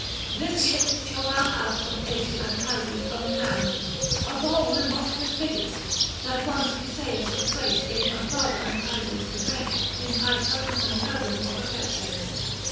This gift shalt thou have as from aged Anchises' own hand, a bowl embossed with figures, that once Cisseus of Thrace gave my father Anchises to bear, in high token and guerdon of affection.'